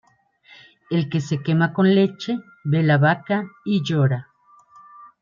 El que se quema con leche, ve la vaca y llora